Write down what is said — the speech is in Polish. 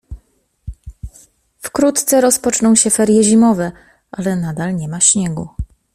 Wkrótce rozpoczną się ferie zimowe ale nadal nie ma śniegu